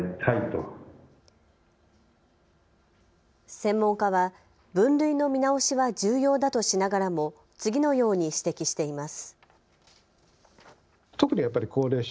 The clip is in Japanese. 専門家は分類の見直しは重要だとしながらも次のように指摘しています。